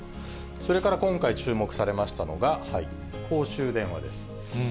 それから今回注目されましたのが、公衆電話です。